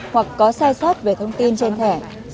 hoặc có sai sót về thông tin trên thẻ